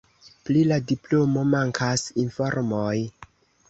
Pri la diplomo mankas informoj.